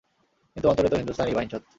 কিন্তু অন্তরে তো হিন্দুস্তানিই, বাইঞ্চোদ।